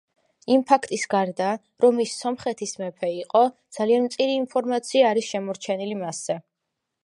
იმ ფაქტის გარდა, რომ ის სომხეთის მეფე იყო, ძალიან მწირი ინფორმაცია არის შემორჩენილი მასზე.